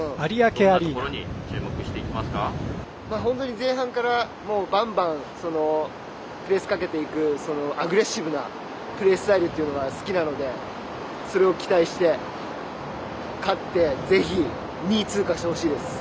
どんなところに本当に前半からバンバンプレスかけていくアグレッシブなプレースタイルというのが好きなのでそれを期待して勝ってぜひ２位通過してほしいです。